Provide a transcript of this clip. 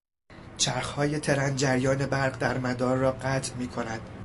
چرخهای ترن جریان برق در مدار را قطع میکند.